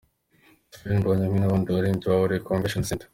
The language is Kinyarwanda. Israel Mbonyi hamwe n'abandi baririmbyi bahuriye Convention Centre.